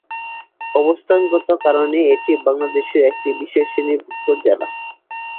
অবস্থানগত কারণে এটি বাংলাদেশের একটি বিশেষ শ্রেণীভুক্ত জেলা।